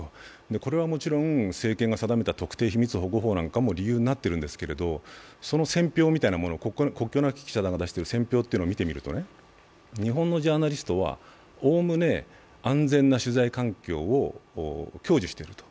これはもちろん政権が定めた特定秘密保護法なんかも問題になっているんですけれども、国境なき記者団が出しているその選評みたいなものを見ると、日本のジャーナリストはおおむね安全な取材環境を享受してると。